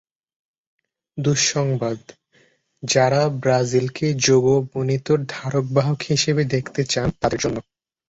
দুঃসংবাদ, যাঁরা ব্রাজিলকে জোগো বোনিতোর ধারক-বাহক হিসেবে দেখতে চান, তাঁদের জন্য।